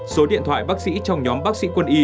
số điện thoại bác sĩ trong nhóm bác sĩ quân y